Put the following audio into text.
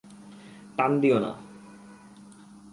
টান দিও না।